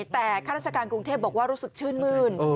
แต่ข้าราชการกรุงเทพบอกว่ารู้สึกชื่นมื้น